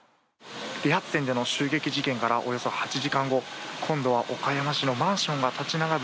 理髪店での襲撃事件からおよそ８時間後今度は岡山市のマンションが立ち並ぶ